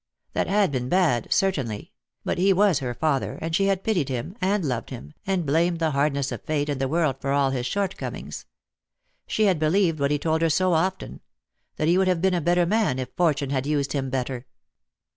That had been bad, certainly ; but he was her father and she had pitied him and loved him, and blamed the hardness of Fate and the world for all his shortcomings, She had believed what he told her so often — that he would have been a better man if Fortune had used him better.